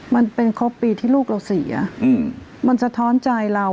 มันเป็นครบปีที่ลูกเราเสียมันสะท้อนใจเรา